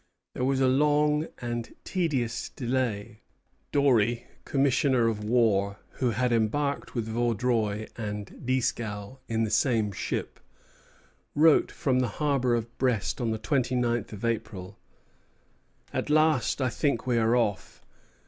There was long and tedious delay. Doreil, commissary of war, who had embarked with Vaudreuil and Dieskau in the same ship, wrote from the harbor of Brest on the twenty ninth of April: "At last I think we are off.